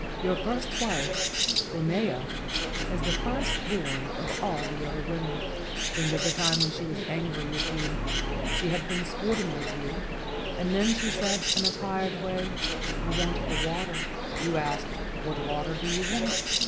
Your first wife, Haumea, is the first born of all the other women. Think of the time when she was angry with you. She had been sporting with you and then she said in a tired way, T want the water.' You asked, 'What water do you want?